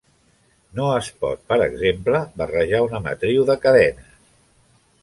No es pot, per exemple, barrejar una matriu de cadenes.